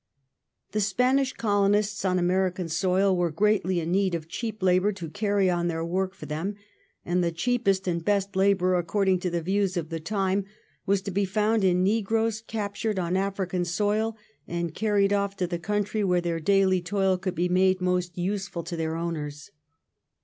The Spanish colonists on American soil were greatly in need of cheap labour to carry on their work for them, and the cheapest and best labour, according to the views of the time, was to be found in negroes captured on African soil and carried off to the country where their daily toil could be made most useful to their owners.